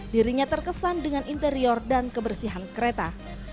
dirinya terkesan dengan interior dan kebersihan kereta